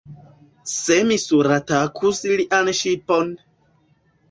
Se mi suratakus lian ŝipon!